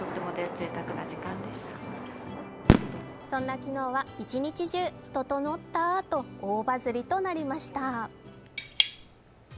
そんな昨日は一日中、ととのったと大バズりとなりました。